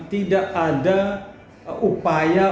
tidak ada upaya